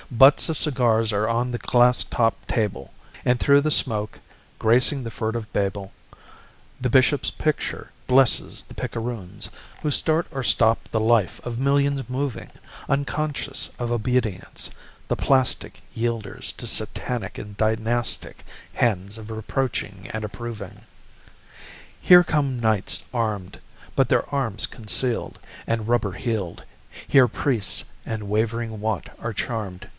Butts of cigars are on the glass topped table, And through the smoke, gracing the furtive Babel, The bishop's picture blesses the picaroons, Who start or stop the life of millions moving Unconscious of obedience, the plastic Yielders to satanic and dynastic Hands of reproaching and approving. Here come knights armed, But with their arms concealed, And rubber heeled. Here priests and wavering want are charmed.